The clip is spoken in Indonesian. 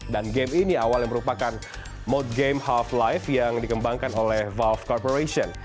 dan game ini awalnya merupakan mode game half life yang dikembangkan oleh valve corporation